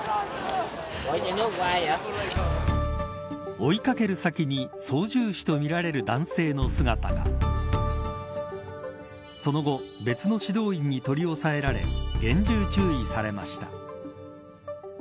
追いかける先に操縦士とみられる男性の姿がその後、別の指導員に取り押さえられ厳重注意されました。